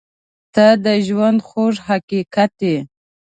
• ته د ژونده خوږ حقیقت یې.